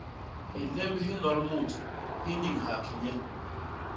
Hilémb hi nnol mut, hi niñhak ki nye.